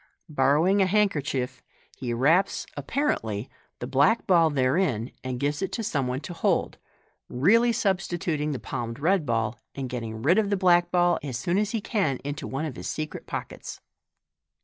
Borrowing a handkerchief, he wraps (apparently) the black ball therein, and gives it to some one to hold (really substituting the palmed red ball, and getting rid of the vlack ball as soon as he can into one of his secret pockets).